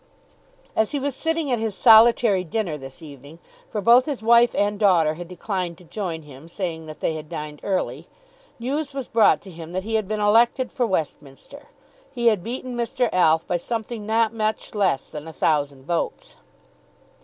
As he was sitting at his solitary dinner this evening, for both his wife and daughter had declined to join him, saying that they had dined early, news was brought to him that he had been elected for Westminster. He had beaten Mr. Alf by something not much less than a thousand votes.